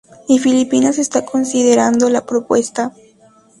Y Filipinas está considerando la propuesta.